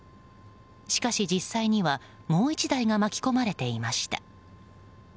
しかし実際にはもう１台が巻き込まれていました。